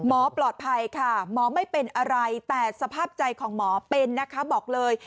ปลอดภัยค่ะหมอไม่เป็นอะไรแต่สภาพใจของหมอเป็นนะคะบอกเลย